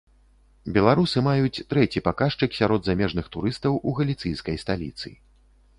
Беларусы маюць трэці паказчык сярод замежных турыстаў у галіцыйскай сталіцы.